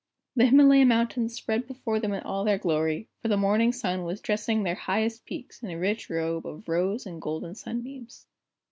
The Himalaya Mountains spread before them in all their glory, for the morning sun was dressing their highest peaks in a rich robe of rose and golden sunbeams.